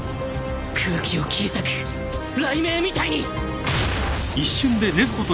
空気を切り裂く雷鳴みたいに！